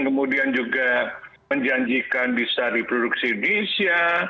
kemudian juga menjanjikan bisa diproduksi di indonesia